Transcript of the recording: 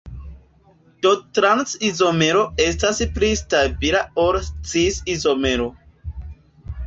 Do trans-izomero estas pli stabila ol cis-izomero.